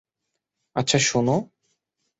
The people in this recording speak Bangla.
আচ্ছা, শোনো।